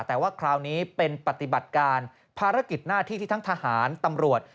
แต่ว่าคราวนี้เป็นปฏิบัติการภารกิจหน้าที่ที่ทั้งทหารตำรวจ